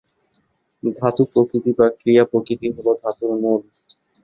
ধাতু-প্রকৃতি বা ক্রিয়া-প্রকৃতি হলো ধাতুর মূল।